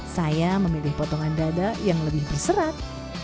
saya memilih potongan dada yang lebih berserat